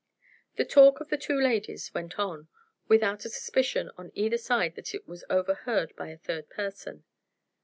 The talk of the two ladies went on, without a suspicion on either side that it was overheard by a third person.